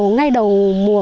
ngay đầu mùa này